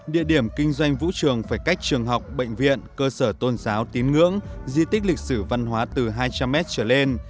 địa điểm kinh doanh vũ trường phải cách trường học bệnh viện cơ sở tôn giáo tín ngưỡng di tích lịch sử văn hóa từ hai trăm linh m trở lên